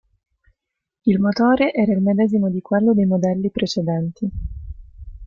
Il motore era il medesimo di quello dei modelli precedenti.